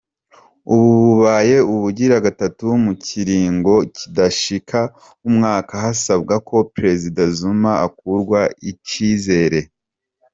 Ubu bubaye ubugira gatatu mu kiringo kidashika umwaka hasabwa ko prezida Zuma akurwako icizere.